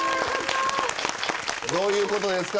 どういうことですか？